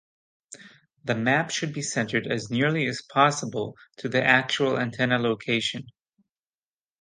The map should be centered as nearly as possible to the actual antenna location.